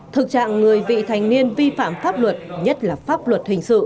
thực trạng người vị thành niên vi phạm pháp luật nhất là pháp luật hình sự